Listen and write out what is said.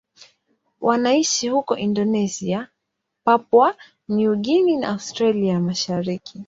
Wanaishi huko Indonesia, Papua New Guinea na Australia ya Mashariki.